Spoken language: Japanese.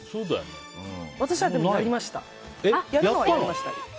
私はやりましたよ。